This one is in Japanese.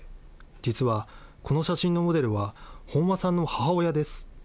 実はこの写真のモデルは、本間さんの母親です。